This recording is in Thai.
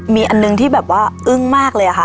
มีอันหนึ่งที่แบบว่าอึ้งมากเลยค่ะ